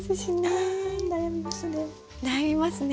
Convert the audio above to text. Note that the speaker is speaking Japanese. あ悩みますね。